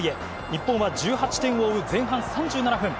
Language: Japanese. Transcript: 日本は１８点を追う前半３７分。